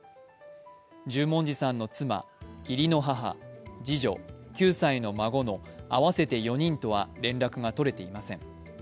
十文字さんの妻、義理の母次女、９歳の孫の合わせて４人とは連絡が取れていません。